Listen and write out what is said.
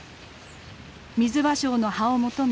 ミズバショウの葉を求め